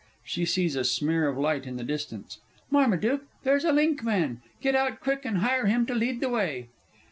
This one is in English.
(She sees a smear of light in the distance.) Marmaduke, there's a linkman. Get out quick, and hire him to lead the way.